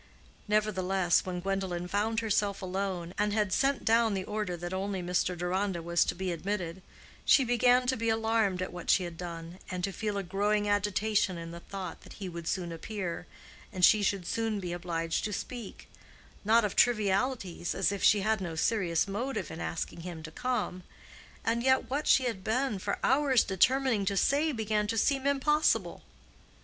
Nevertheless when Gwendolen found herself alone, and had sent down the order that only Mr. Deronda was to be admitted, she began to be alarmed at what she had done, and to feel a growing agitation in the thought that he would soon appear, and she should soon be obliged to speak: not of trivialities, as if she had no serious motive in asking him to come: and yet what she had been for hours determining to say began to seem impossible.